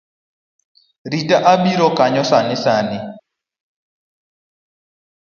Rita abiro kanyo sani sani